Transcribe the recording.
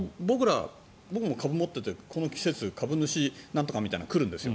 僕も株を持っていてこの季節に株主なんとかっていうのが来るんですよ。